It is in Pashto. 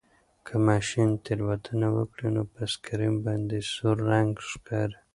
که ماشین تېروتنه وکړي نو په سکرین باندې سور رنګ ښکاري.